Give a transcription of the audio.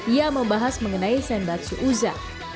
yang membahas mengenai senbatsu uza